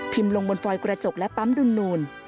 พิมพ์ลงบนฟอยกระจกและปั๊มดุน